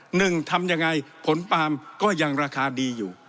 หนึ่งทำยังไงผลปาล์มก็ยังราคาดีอยู่